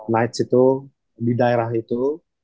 nights itu di daerah itu